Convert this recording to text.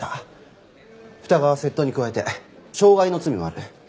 二川は窃盗に加えて傷害の罪もある。